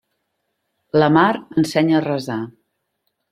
La mar ensenya a resar.